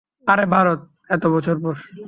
আরে ভারত, এত বছর পরে।